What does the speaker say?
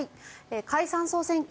解散・総選挙